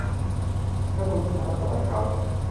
และคุณไม่สามารถปล่อยเขา